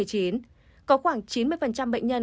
có khoảng chín mươi bệnh nhân có